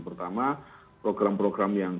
pertama program program yang